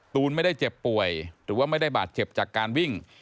ตูนไม่ได้เจ็บป่วยหรือว่าไม่ได้บาดเจ็บจากการวิ่ง